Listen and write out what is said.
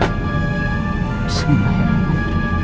bismillah ya bu